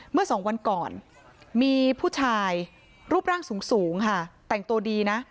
เมื่อสองวันก่อนมีผู้ชายรูปร่างสูงค่ะแต่งตัวดีนะ